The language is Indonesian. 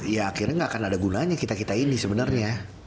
ya akhirnya nggak akan ada gunanya kita kita ini sebenarnya